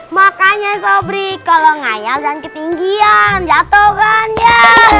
makanya sobri kalau ngayal jangan ketinggian jatuh kan ya